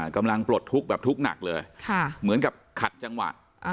ปลดทุกข์แบบทุกข์หนักเลยเหมือนกับขัดจังหวะ